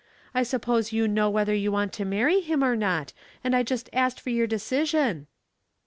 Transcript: I suppose you know whether you want to marry him or not, and I just asked for your decision."